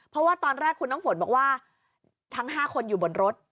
เพราะว่าตอนแรกคุณน้ำฝนบอกว่าทั้ง๕คนอยู่บนรถ